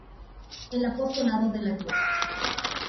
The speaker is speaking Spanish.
El Apostolado de la Cruz.